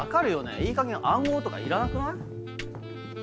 いいかげん暗号とかいらなくない？